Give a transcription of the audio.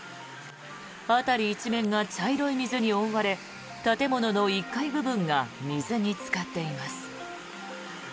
辺り一面が茶色い水に覆われ建物の１階部分が水につかっています。